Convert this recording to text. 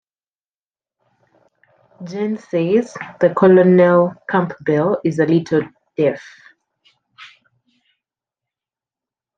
Jane says that Colonel Campbell is a little deaf.